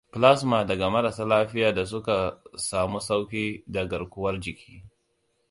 Plasma daga marasa lafiya da suka samu sauki da garkuwar jiki.